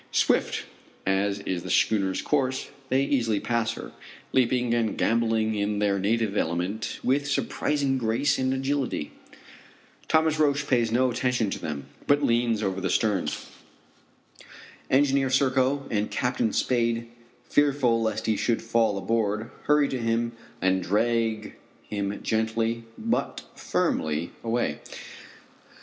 Swift as is the schooner's course they easily pass her, leaping and gambolling in their native element with surprising grace and agility. Thomas Roch pays no attention to them, but leans over the stern. Engineer Serko and Captain Spade, fearful lest he should fall overboard, hurry to him and drag him gently, but firmly, away.